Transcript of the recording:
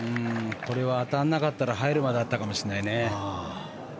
これは当たらなかったら入るまであったかもしれないね。